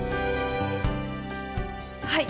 はい！